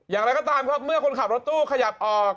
อย่างไรก็ตามครับเมื่อคนขับรถตู้ขยับออก